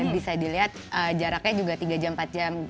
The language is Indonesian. bisa dilihat jaraknya juga tiga jam empat jam